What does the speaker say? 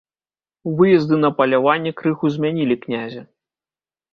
Выезды на паляванне крыху змянілі князя.